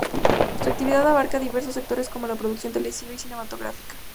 Su actividad abarca diversos sectores como la producción televisiva y cinematográfica.